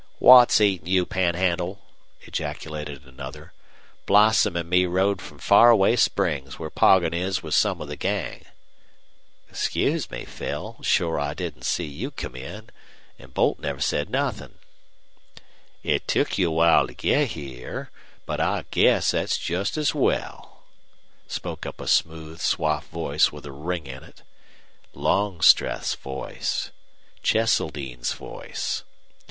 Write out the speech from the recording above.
"What's eatin' you, Panhandle?" ejaculated another. "Blossom an' me rode from Faraway Springs, where Poggin is with some of the gang." "Excuse me, Phil. Shore I didn't see you come in, an' Boldt never said nothin'." "It took you a long time to get here, but I guess that's just as well," spoke up a smooth, suave voice with a ring in it. Longstreth's voice Cheseldine's voice!